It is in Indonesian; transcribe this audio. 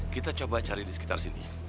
kita coba cari di sekitar sini